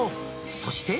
そして。